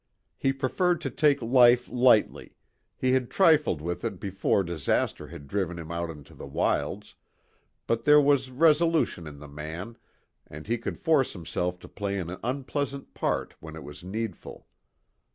He preferred to take life lightly; he had trifled with it before disaster had driven him out into the wilds; but there was resolution in the man, and he could force himself to play an unpleasant part when it was needful.